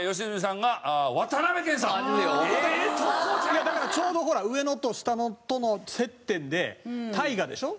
いやだからちょうどほら上のと下のとの接点で大河でしょ